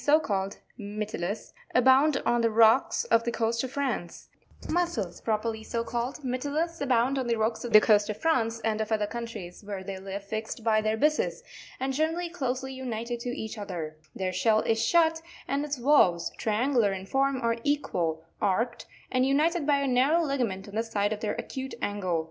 MussELS PROPERLY so CALLED—Mytilus—abound on the rocks of the coast of France and of other countries, where they live fixed by the byssus, and generally closely united to each other. Their shell is shut, and its valves, triangular in form, are equal, arched and united by a narrow ligament on the side of their acute angle.